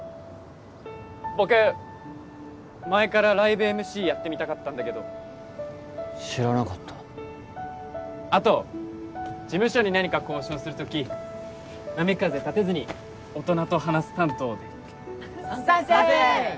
僕前からライブＭＣやってみたかったんだけど知らなかったあと事務所に何か交渉する時波風たてずに大人と話す担当で賛成！